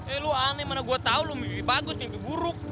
eh lu aneh mana gua tau lu mimpi bagus mimpi buruk